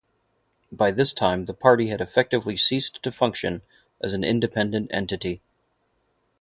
By this time the party had effectively ceased to function as an independent entity.